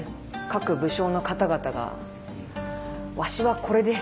各武将の方々がわしはこれで！